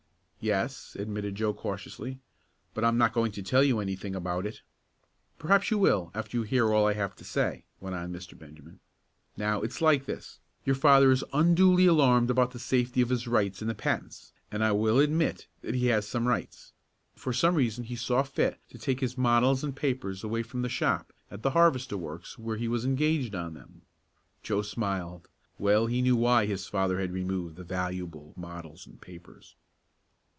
"Yes," admitted Joe cautiously, "but I'm not going to tell you anything about it." "Perhaps you will after you hear all I have to say," went on Mr. Benjamin. "Now, it's like this: Your father is unduly alarmed about the safety of his rights in the patents, and I will admit that he has some rights. For some reason he saw fit to take his models and papers away from the shop at the harvester works where he was engaged on them." Joe smiled well he knew why his father had removed the valuable models and papers.